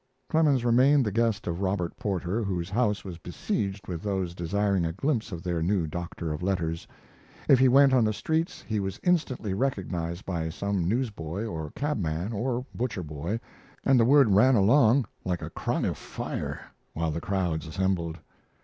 ] Clemens remained the guest of Robert Porter, whose house was besieged with those desiring a glimpse of their new doctor of letters. If he went on the streets he was instantly recognized by some newsboy or cabman or butcher boy, and the word ran along like a cry of fire, while the crowds assembled.